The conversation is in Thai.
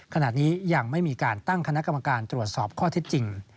ขณะนี้ยังไม่มีการตั้งคณะกรรมการตรวจสอบข้อเท็จจริง